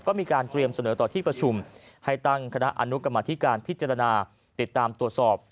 ก็มีการเตรียมเสนอต่อที่ประชุมให้ตั้งคณะอนุกรรมธิการพิจารณาติดตามตรวจสอบ